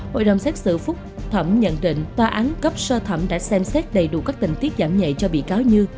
hội đồng xét xử phúc thẩm nhận định tòa án cấp sơ thẩm đã xem xét đầy đủ các tình tiết giảm nhẹ cho bị cáo như